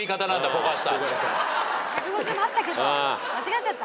１５０もあったけど間違えちゃった。